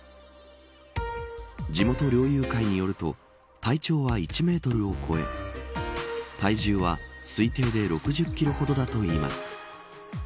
地元猟友会によると体長は１メートルを超え体重は、推定で６０キロほどだといいます。